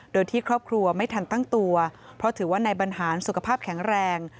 โดยที่ครอบครัวไม่ทันตั้งตัวเพราะถือว่านายบรรหารสุขภาพแข็งแรง